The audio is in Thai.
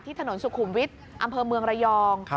ถนนสุขุมวิทย์อำเภอเมืองระยอง